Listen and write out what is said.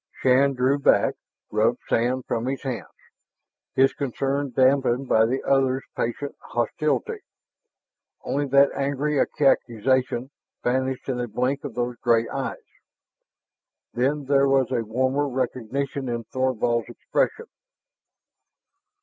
Shann drew back, rubbed sand from his hands, his concern dampened by the other's patent hostility. Only that angry accusation vanished in a blink of those gray eyes. Then there was a warmer recognition in Thorvald's expression.